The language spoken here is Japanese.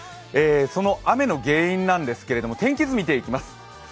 その雨の原因なんですけれども、天気図を見ていきます。